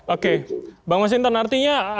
oke bang masintan artinya